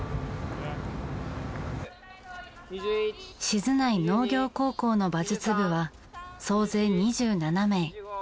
静内農業高校の馬術部は総勢２７名。